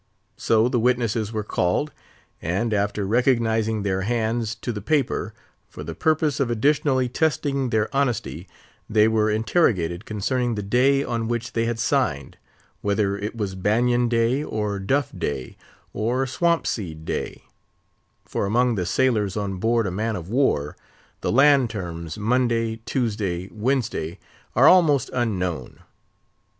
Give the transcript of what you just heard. So the witnesses were called, and after recognising their hands to the paper; for the purpose of additionally testing their honesty, they were interrogated concerning the day on which they had signed—whether it was Banyan Day, or Duff Day, or Swampseed Day; for among the sailors on board a man of war, the land terms, Monday, Tuesday, Wednesday, are almost unknown.